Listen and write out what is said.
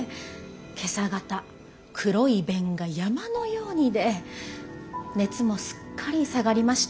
今朝方黒い便が山のように出熱もすっかり下がりまして。